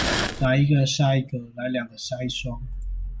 來一個殺一個、來兩個殺一雙